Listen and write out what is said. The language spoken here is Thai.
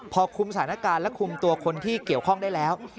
พอคุมสถานการณ์และคุมตัวคนที่เกี่ยวข้องได้แล้ว